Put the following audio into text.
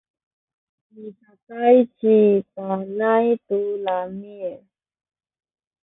micakay ci Panay tu lami’.